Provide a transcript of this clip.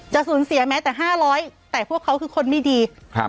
จะสูญเสียแม้แต่๕๐๐แต่พวกเขาคือคนไม่ดี